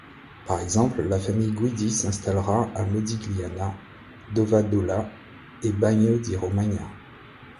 Par exemple, la famille Guidi s'installera à Modigliana, Dovadola et Bagno di Romagna.